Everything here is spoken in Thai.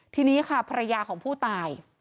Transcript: ทีนี้ค่ะภรรยาของผู้ตาย